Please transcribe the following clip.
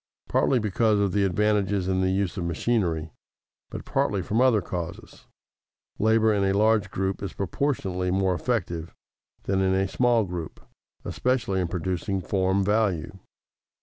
Partly because of the advantages in the use of machinery, but partly from other causes, labor in a large group is proportionately more effective than in a small group, especially in producing form value.